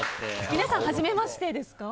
皆さん、初めましてですか？